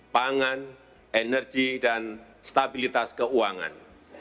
pangan energi dan stabilitas keuangan